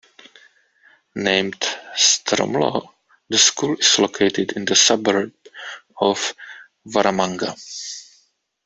Named Stromlo, the school is located in the suburb of Waramanga.